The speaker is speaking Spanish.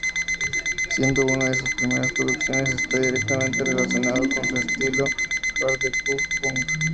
Siendo una de sus primeras producciones, está directamente relacionado con su estilo hardcore punk.